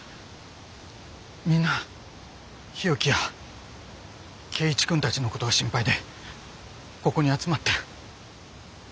みんな日置や恵一くんたちのことが心配でここに集まってる。